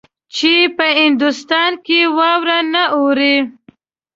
چې په هندوستان کې واوره نه اوري.